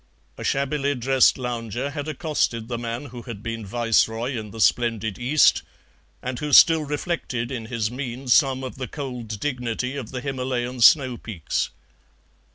A shabbily dressed lounger had accosted the man who had been Viceroy in the splendid East, and who still reflected in his mien some of the cold dignity of the Himalayan snow peaks.